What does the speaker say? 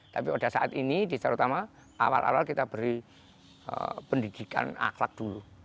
tapi pada saat ini di sarotama awal awal kita beri pendidikan akhlak dulu